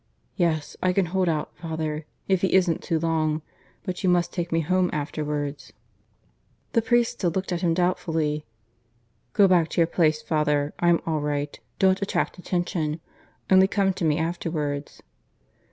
"Yes, I can hold out, father; if he isn't too long. But you must take me home afterwards." The priest still looked at him doubtfully. "Go back to your place, father. I'm all right. Don't attract attention. Only come to me afterwards."